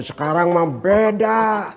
tapi sekarang membeda